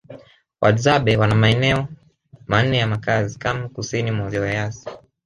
Wahadzabe wana maeneo manne ya makazi kame kusini mwa Ziwa Eyasi